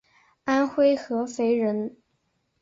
安徽合肥人。